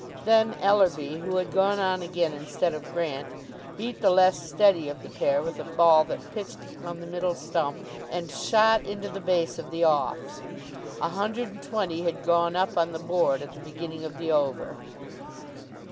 Then Ellerby, who had gone on again instead of Grant, beat the less steady of the pair with a ball that pitched on the middle stump and shot into the base of the off. A hundred and twenty had gone up on the board at the beginning of the over.